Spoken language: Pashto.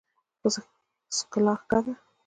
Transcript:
څکلا ښه ده.